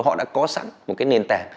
họ đã có sẵn một cái nền tảng